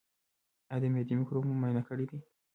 ایا د معدې مکروب مو معاینه کړی دی؟